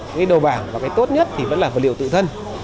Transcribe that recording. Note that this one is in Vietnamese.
cái đầu bảng và cái tốt nhất thì vẫn là vật liệu tự thân